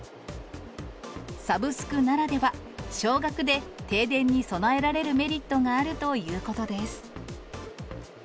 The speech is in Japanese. サブスクならでは、少額で停電に備えられるメリットがあるということです。